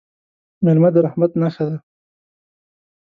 مېلمه د رحمت نښه ده.